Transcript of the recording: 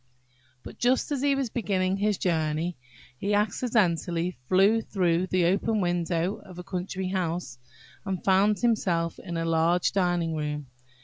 But, just as he was beginning his journey, he accidentally flew through the open window of a country house, and found himself in a large dining room.